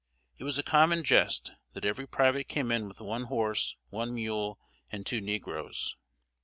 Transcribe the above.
It was a common jest, that every private came in with one horse, one mule, and two negroes.